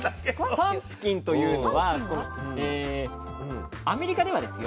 パンプキンというのはアメリカではですよ